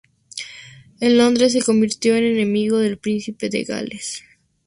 En Londres se convirtió en amigo del príncipe de Gales.